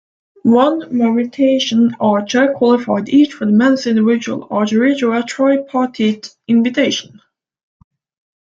One Mauritian archer qualified each for the men's individual archery through a tripartite invitation.